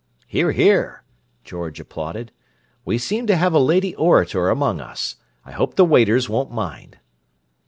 "Hear! Hear!" George applauded. "We seem to have a lady orator among us. I hope the waiters won't mind."